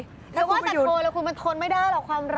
ถ้าคุณไม่อยู่แต่ว่าจะโทรแล้วคุณมันทนไม่ได้หรอกความร้อน